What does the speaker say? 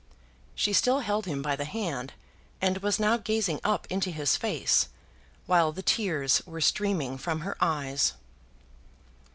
She still held him by the hand, and was now gazing up into his face, while the tears were streaming from her eyes.